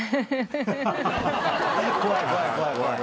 怖い怖い怖い怖い。